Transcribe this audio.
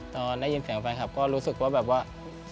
ตอนได้ยินเสียงแฟนคลับก็รู้สึกว่าแบบว่า